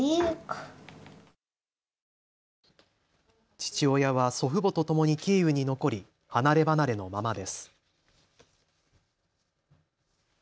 父親は祖父母とともにキーウに残り、離れ離れのままです。